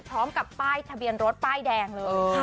พร้อมกับป้ายทะเบียนรถป้ายแดงเลย